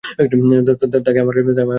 তাকে আমার কাছে ঠিক মনে হচ্ছে না, ড্যানি।